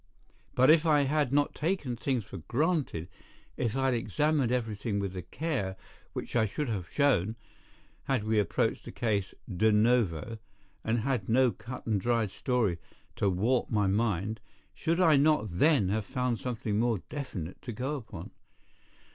But if I had not taken things for granted, if I had examined everything with the care which I should have shown had we approached the case de novo and had no cut and dried story to warp my mind, should I not then have found something more definite to go upon?